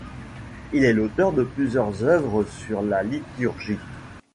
Il est l'auteur de plusieurs œuvres sur la liturgie.